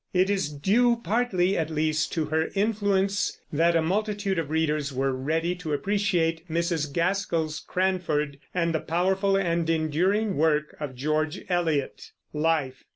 It is due partly, at least, to her influence that a multitude of readers were ready to appreciate Mrs. Gaskell's Cranford, and the powerful and enduring work of George Eliot. LIFE.